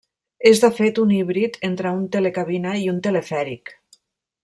És de fet un híbrid entre un telecabina i un telefèric.